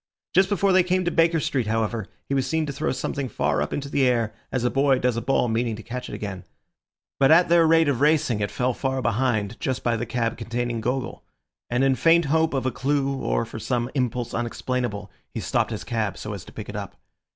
Just before they came to Baker Street, however, he was seen to throw something far up into the air, as a boy does a ball meaning to catch it again. But at their rate of racing it fell far behind, just by the cab containing Gogol; and in faint hope of a clue or for some impulse unexplainable, he stopped his cab so as to pick it up.